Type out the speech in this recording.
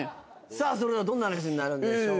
さあそれではどんな話になるんでしょうか。